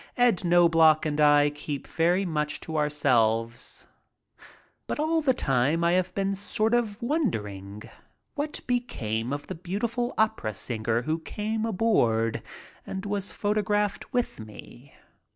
Ed Knobloch and I keep very much to ourselves. But all the time I have been sort of wondering what became of the beautiful opera singer who came aboard and was photographed with me.